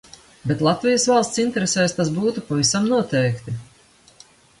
Bet Latvijas valsts interesēs tas būtu pavisam noteikti.